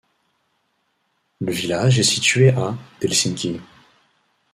Le village est situé à d'Helsinki.